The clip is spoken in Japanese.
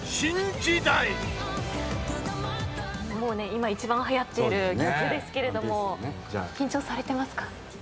今一番はやっている曲ですけれども緊張されてますか？